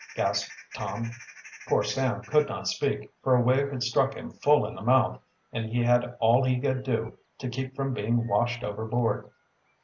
gasped Tom. Poor Sam could not speak, for a wave had struck him full in the mouth, and he had all he could do to keep from being washed overboard.